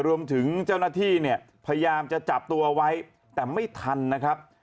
รวมถึงเจ้าหน้าที่เนี่ยพยายามจะจับตัวไว้แต่ไม่ทันนะครับ